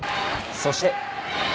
そして。